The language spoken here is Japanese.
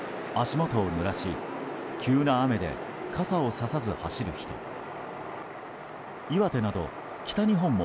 足元をぬらし急な雨で傘を差さず走る人も。